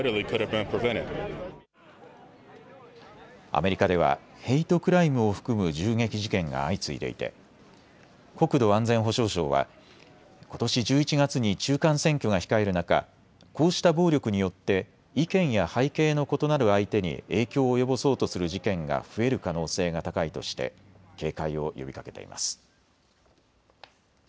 アメリカではヘイトクライムを含む銃撃事件が相次いでいて国土安全保障省はことし１１月に中間選挙が控える中、こうした暴力によって意見や背景の異なる相手に影響を及ぼそうとする事件が増える可能性が高いとして警戒を呼びかけています。